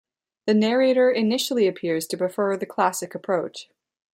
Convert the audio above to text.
The Narrator initially appears to prefer the classic approach.